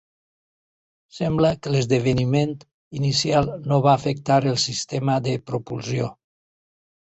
Sembla que l'esdeveniment inicial no va afectar el sistema de propulsió.